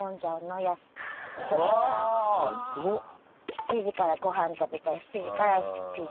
７時からご飯食べたら７時から７時。